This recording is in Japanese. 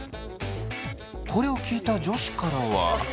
これを聞いた女子からは。